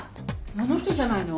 あの人じゃないの？